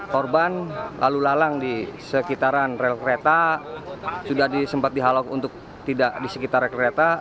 korban lalu lalang di sekitaran rel kereta sudah disempat dihalau untuk tidak di sekitar kereta